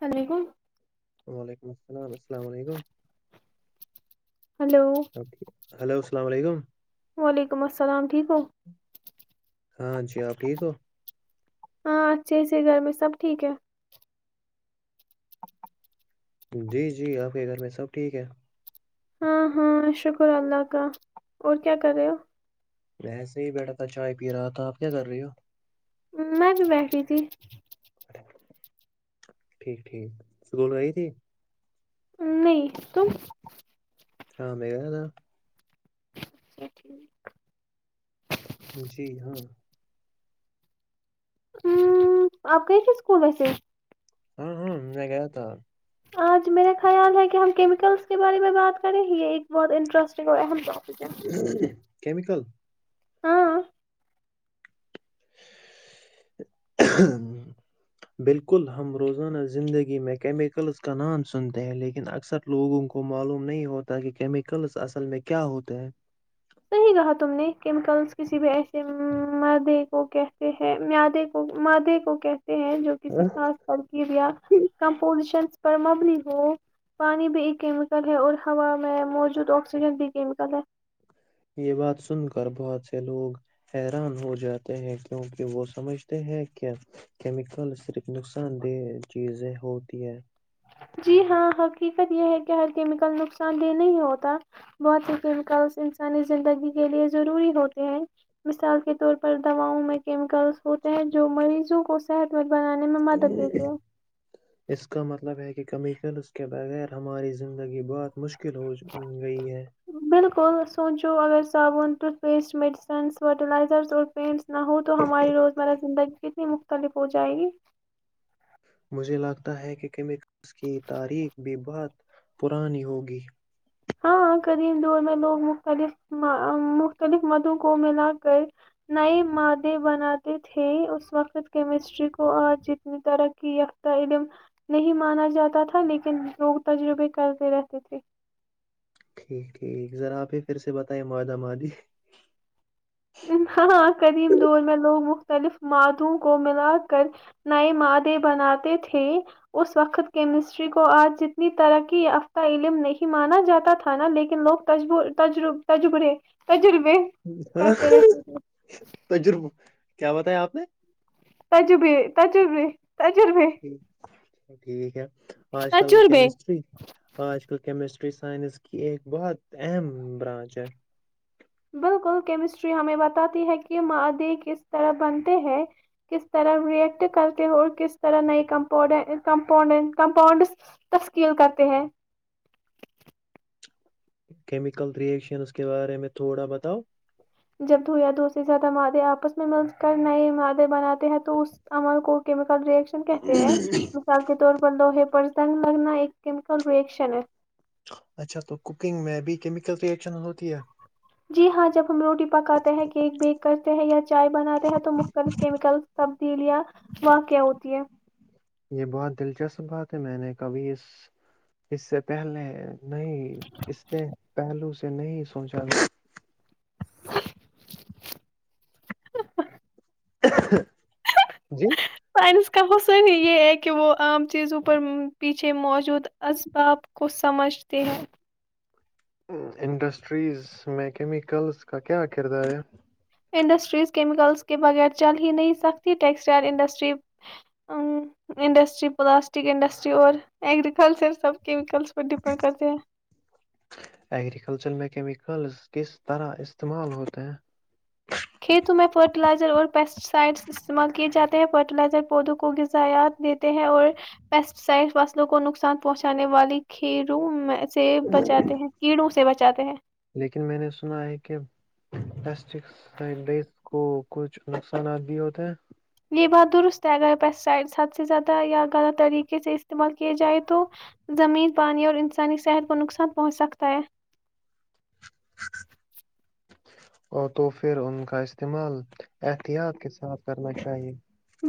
السلام علیکم وعلیکم السلام السلام علیکم ہلو آپ ٹھیک ہلو السلام علیکم وعلیکم السلام ٹھیک ہو ہاں جی آپ ٹھیک ہو ہاں اچھے سے گھر میں سب ٹھیک ہے جی جی آپ کے گھر میں سب ٹھیک ہے ہاں ہاں شکر اللہ کا اور کیا کر رہے ہو وسے ہی بیٹھا تھا چائے پی رہا تھا آپ کیا کر رہی ہو میں بھی بیٹھی تھی ٹھیک ٹھیک سکول آئی تھی نہیں تم ہاں میں گیا تھا اچا ٹھیک جی ہاں ہ آپ گئے تھے اسکول ویسے ہاں ہاں میں گیا تھا آج میرا خیال ہے کہ ہم کیمکلس کے بارے میں بات کریں یہ ایک بہت انٹرسٹگ ہے چف کیا کیمیکل ہاں بالکل ہم روزانہ زندگی میں کیمیکلس کا نام سنتے ہیں لیکن اکثر لوگوں کو معلوم نہیں ہوتا کہ کیمیکلس اصل میں کیا ہوتا ہے صحیح کہا تم نے کیمیکلز کسی بھی ایسے مادے کو کیستے ہیں مدے کو مدے کو ہیں جو کسی ہیں خاص ترکیب یا کمپوزیشن پر مبلی ہو پانی بھی ایک کیمیکل ہے اور ہوا میں موجود آکسیجن بھی کیمیکل ہے یہ بات سن کر بہت سے لوگ حیران ہو جاتے ہیں کیونکہ وہ سمجھتے ہیں کیا کیمیکل صرف نقصان دہ چیزیں ہوتی ہے جی ہاں حقیقت یہ ہے کہ ہر کیمیکل نقصان دہ نہیں ہوتا بہت سے کیمیکلس انسانی زندگی کے لیے ضروری ہوتے ہیں مثال کے طور پر دواؤ میں کیمیکلس ہوتے ہیں جو مریضوں کو صحت م اس کا مطلب ہے کہ کمی کر اس کے بغیر ہماری زندگی یہ بہات مشکل ہو گئی ہے بالکل سوچو اگر صابون ٹتھ پیسٹ میڈیسن فرلائزر اور پینس نہ ہو تو ہماری روزمرہ زندگی کتنی مختلف ہو جائے گی مجھے لگتا ہے کہ کیمس کی تاریخ بھی بہت پرانی ہوگی ہاں کریم دور میں لوگ مختلف مختلف مدوں کو ملاک گائز نئے مادے بناتے تھے اس وقت کیمسٹری کو اج جس نے ترقی یافتہ علم نہیں مانا جاتا تھا لیکن لوگ تجربے کرتے رہتے تھے ٹھیک ٹھیک ذر آپ ہی پھر سے بتیا معدا مادی ہاں قدیم دور میں لوگ مختلف مادوں کو ملا کر نئے مادے بناتے تھے اس وقت کیمسٹری کو آج جتنی ترقی یافتہ علم نہیں مانا جاتا تھا نا لیکن لوگ تجے تجربے [inaudible] ہ کرتے رہتے تھے تجرب کیا بتایا آپ نے تج بھی تج بھی ٹھیک ہے آج کل تجربے کیمسٹری آج کل کیمسٹری سائنس کی ایک بہت اہم برانچ ہے بالکل کیمسٹری ہمیں بتاتی ہے کہ مادی کس طرح بنتے ہیں کس طرح ریئیکٹ کرتے ہیں اور کس طرح نئے کمپاؤونڈز تشکیل کرتے ہیں کیمیکل رئیکشنز کے بارے میں تھوڑا بتاؤ جب دو یا دو سے زیادہ مادے آپس میں مل کر نئے مادے بناتے ہیں تو اس عمال کو م ریشن کہتے ہیں مثال کے طور پر لوہے پرس تنگ لگنا ایک کیمکل ریئشن ہے اچھا تو کوکنگ میں بھی کیمکل ریئشن ہوتا جی ہاں جب ہم روٹی پکاتے ہیں کیک بیک کرتے ہیں یا چائے بناتے ہیں تو مختلف کیمیکل سب دلیا وہاں کیا ہوتی ہے یہ بہت دلچسپ بات ہے میں نے کبھی اس اس سے پہلے نہیں اس سے پہلو سے نہیں سوچا تھا [inaudible] ہ سائنس کا حصل نہیں یہ ایک کہ وہ عام چیزوں پر پیچھے موجود اسباب کو سمجھتے ہیں انڈسٹریز میں کیمیکلس کا کیا کردار ہے انڈسٹریز کیمیکلس کے بغیر چل ہی نہیں سکتی textile industry industry plastic industry اور ایگریکلچر سب کیمیکلس پر ڈپینڈ کرتے ہیں ایگرییکلچر میں ل کس طرح استعمال ہوتے ہیں کھیتوں میں فرٹیلائزر اور پیسٹی سائڈس استعمال کیے جاتے ہیں فرٹیلائزر پودوں کو غذایات دیتے ہیں اور پیسٹیسائڈ فصلوں کو نقصان پہنچانے والی کھیروں میں سے بچاتے ہیں کیڑوں سے بچات جاہے ہیں لیکن میں نے سنا ہے کہ پسٹ س کو کچھ نقصانات بھی ہوتے ہیں کے بعد درست ہے ا گگر پیسٹسائڈس حد سے زیادہ یا غلط طریقے سے استعمال کیا جائے تو زمین پانی اور انسانی صحت کو نقصان پہنچ سکتا ہے ا تو پھر ان کا استعمال احتیاط کے ساتھ کرنا چاہیے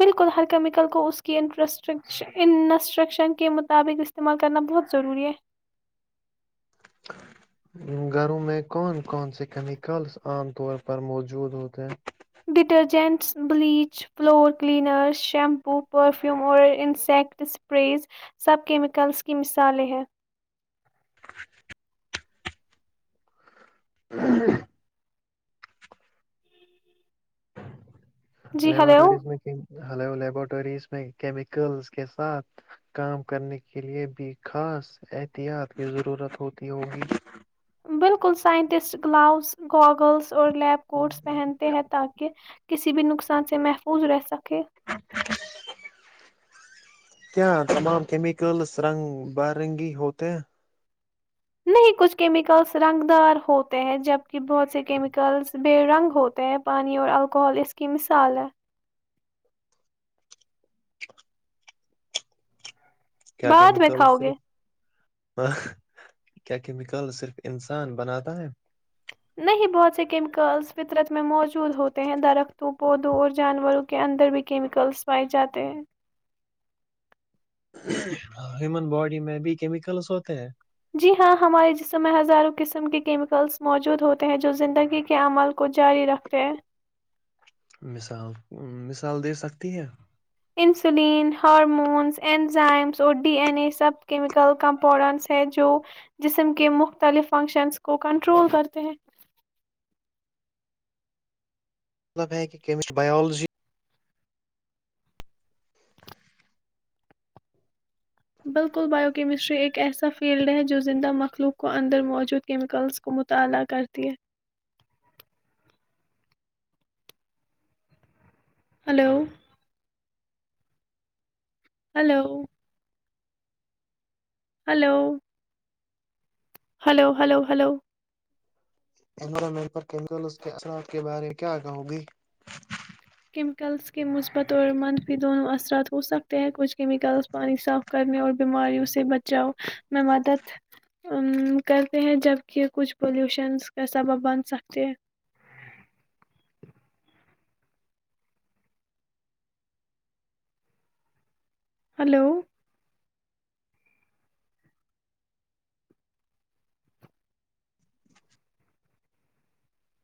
بالکل ہر کیمیکل کو اس کی انسٹرکشن کے مطابق استعمال کرنا بہت ضروری ہے گھروں میں کون کون سے کیمیکلس عام طور پر موجود ہوتے ہیں detergents bleach floor cleaner shampoo perfume اور انسیکٹ اسپریز سب کیمیکلز کی مثالیں ہیں ہ جی ہلو لیبورٹریز میں ہلو لیبورٹریز میں کیمیکلز کے ساتھ کام کرنے کے لیے بھی خاص احتیاط کی ضرورت ہوتی ہوگی بالکل سائنٹسٹ گلؤز گاگلس اور لیب کوٹس پہنتے ہیں تاکہ کسی بھی نقصان سے محفوظ رہ سکے [inaudible] نہیں کچھ کیمیکلس رنگ دار ہوتے ہیں جب کہ بہت سے کیمیکلس بے رنگ ہوتے ہیں پانی اور الکحل اس کی مثال ہے بعد میں کھاؤ گے کیا کیمیکل صرف [inaudible] نہیں بہت سے کیمیکلز فطرت میں موجود ہوتے ہیں درختوں پودوں اور جانوروں کے اندر بھی کیمیکلس پائے جاتے ہیں ہیومن باڈی میں بھی کیمیکلس ہوتے ہیں جی ہاں ہمارے جسم میں ہزاروں قسم کے کیمیکلز موجود ہوتے ہیں جو زندگی کے عمل کو جاری رکھتے ہیں مثال مثال دے سکتی ہے انسولین ہارمونز اینزائمز اور ڈی این اے سب کیمیکل کمپاڈنٹس ہیں جو جسم کے مختلف فنکشنز کو کنٹرول کرتے ہیں مطلب ہے کہ کیمسٹری بایولوجی بالکل بائیو کیمسٹری ایک ایسا فیلڈ ہے جو زندہ مخلوق کو اندر موجود کیمیکلز کو مطالعہ کرتی ہے hello hello hello hello hello hello انورٹ پر کے اثرات کے بارے میں کیا کہو گی کیمیکلس کے مثبت اور منفی دونوں اثرات ہو سکتے ہیں کچھ کیمیکلز پانی صاف کرنے اور بیماریوں سے بچاؤ میں مدد کرتے ہیں جبکہ کچھ پلیوشنز کا سبب بن سکتے ہیں ہلو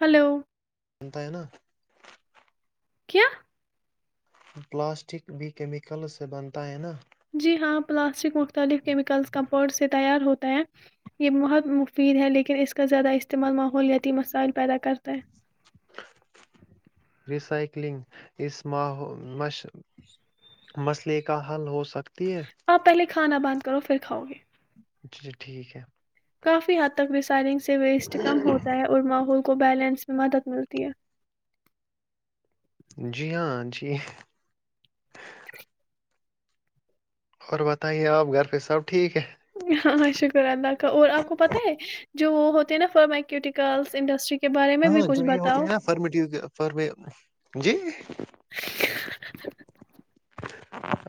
ہلو بنتا ہے نا کیا پلاسٹک بھی کیمیکل سے بنتا ہے نا جی ہاں پلاسٹک مختلف کیمیکلس کمپاڈ سے تیار ہو ہیں یہ بہت مفید ہے لیکن اس کا زیادہ استعمال ماحولیاتی مسائل پیدا کرتا ہیں سائکلنگ اس مسئلے کا حل ہو سکتا [inaudible] کانا بند کرو پھر کاؤ گے اچا ٹھیک ہے کافی حد تک ریسائلنگ سے ویسٹ کم ہوتا ہے اور ماحول کو بیلنس میں مدد ملتی ہے جی ہاں جی جی [inaudible] اور بتائیے آپ گھر پہ سب ٹھیک ہے ہاں شکر اللہ کا اور آپ کو پتہ ہے جو وہ ہوتے ہیں نا فارمیکیوٹیکلس انڈسٹری کے بارے میں بھی ہاں کچھ جو یہ ہوتا ہے بتاؤ نا فرمیٹی فر جی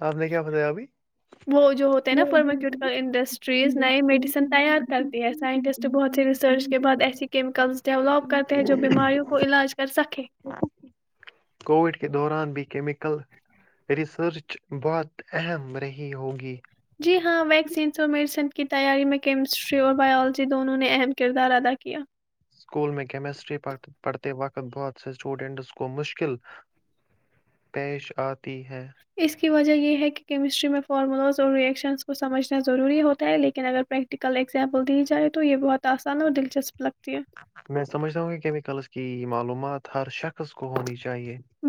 آپ نے کیا بتایا ابھی وہ جو ہوتے ہیں نا فرماکیوٹیکل انڈسٹریز نئے میڈیسن تیار کرتی ہے سائنٹسٹ بہت سی ریسرچ کے بعد ایسی کیمیکلز ڈیولپ کرتے ہیں جو بیماریوں کو علاج کر سکے [inaudible] بہت اہم رہی ہوگی جی ہاں میکسی انسٹالمنٹ کی تیاری میں کیمسٹری اور بای دونوں نے اہم کردار ادا کیا سکول میں کیمسٹری پڑھتے وقت بہت سے سٹوڈنٹس کو مشکل اس کی وجہ یہ ہے کہ کیمسٹری میں فارمولاز اور ری ایکشنز کو سمجھنا ضروری ہوتا ہے لیکن اگر پریکٹیکل ایگزمپل دی جائے تو یہ بہت اسان ہو دلچسپ لگ میں سمجھتا ہوں کہ میں کل کی معلومات ہر شک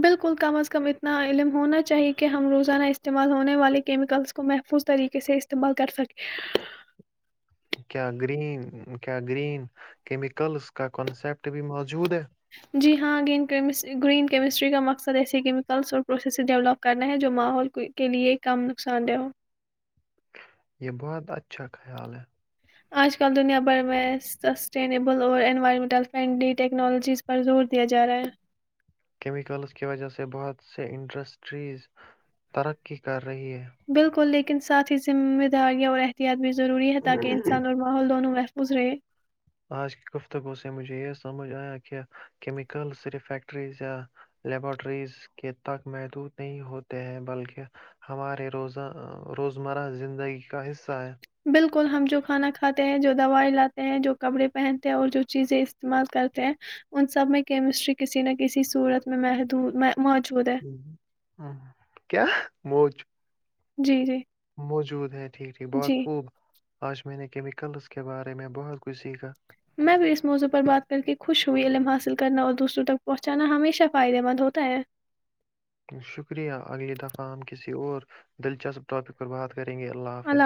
بالکل کم از کم اتنا علم ہونا چاہیے کہ ہم روزانہ استعمال ہونے والے کیمیکلز کو محفوظ طریقے سے استعمال کر سکیں کیا گرین کیا گرین کیمیکلز کا کانسپٹ بھی موجود ہے جی ہاں اگین کریمس گرین کیمسٹری کا مقصد ایسے کہ میں کلز اور پروسیس کرنا ہے جو ماحول کے لیے کم نقصان دہ ہو یہ بہت اچھا خیال ہے اج کل دنیا بھر میں سٹینیبل اور انوائرمنٹل فرینڈلی ٹیکنالوجیز پر زور دیا جا رہا ہے کیمیکل اس کی وجہ سے بہت سے انٹرسٹریز ترقی کر [inaudible] کے ساتھ ہی ذمہ داریاں اور احتیاط میں ضروری ہے تاکہ انسان آج اور ماحول دونوں اس نے [inaudible] اج گفتگو سے مجھے یہ سمجھ ایا کہ میں کل صرف ایکٹری یا لیبٹریز کے تک محدود نہیں ہوتے ہیں بلکہ ہمارے روزمرہ زندگی کا حصہ ہے اتے ہیں جو دوائی لاتے ہیں جو کپڑے پہنتے ہیں اور جو چیزیں استعمال کرتے ہیں ان سب میں کیمسٹری کسی نہ کسی صورت میں محدود میں موجود ہے کیا جی جی موجود ہے جی جی بہت خوب اج میں نے کیمیکلز کے بارے میں بہت کچھ سیکھا میں بیس موضوع پر بات مل کے خوش ہوئی علم حاصل کرنا اور دوسروں پہنچانا ہمیشہ فائدے مند ہوتا ہے شکریہ اگے تک ہم کسی اور دلچسپ باتیں فرما رہے کریں گے اللہ حافظ